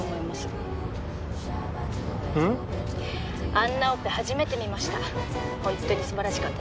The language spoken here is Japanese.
あんなオペ初めて見ました。